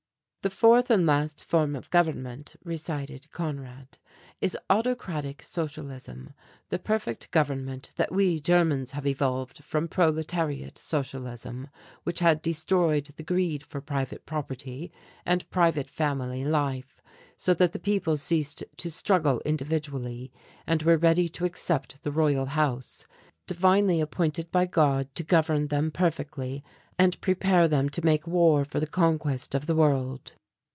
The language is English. "The fourth and last form of government," recited Conrad, "is autocratic socialism, the perfect government that we Germans have evolved from proletariat socialism which had destroyed the greed for private property and private family life, so that the people ceased to struggle individually and were ready to accept the Royal House, divinely appointed by God to govern them perfectly and prepare them to make war for the conquest of the world."